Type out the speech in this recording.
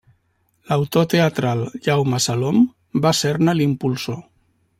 L'autor teatral Jaume Salom va ser-ne l'impulsor.